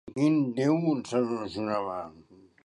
Amb quin déu se'l relacionava?